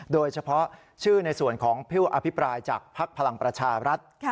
โดยเฉพาะชื่อในส่วนของผู้อภิปรายจากภักดิ์พลังประชารัฐ